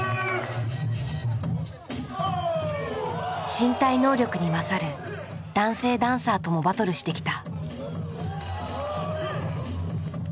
身体能力に勝る男性ダンサーともバトルしてきた。